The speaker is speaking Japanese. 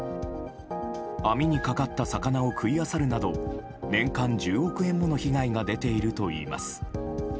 網にかかった魚を食い漁るなど年間１０億円もの被害が出ているといいます。